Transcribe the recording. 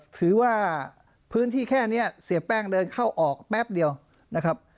ถือว่าพื้นที่แค่นี้เสียแป้งเดินเข้าออกแป๊บเดียวนะครับ